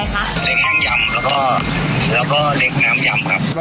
เล็กน้ำยำแล้วก็แล้วก็เล็กน้ำยำครับ